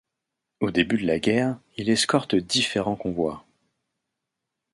Au début de la guerre, il escorte différents convois.